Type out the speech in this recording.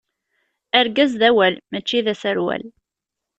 Argaz d awal, mačči d aserwal.